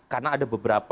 karena ada beberapa